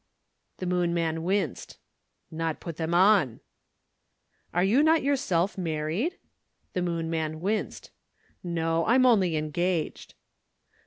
The Moon man winced. "Not put them on." "You are not yourself married?" The Moon man winced. "No, I'm only engaged."